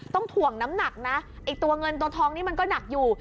ถ่วงน้ำหนักนะไอ้ตัวเงินตัวทองนี่มันก็หนักอยู่